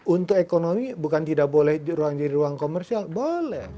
untuk ekonomi bukan tidak boleh ruang jadi ruang komersial boleh